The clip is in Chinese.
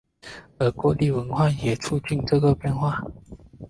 而各地文化也促进了这个变化。